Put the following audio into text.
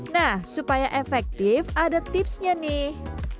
nah supaya efektif ada tipsnya nih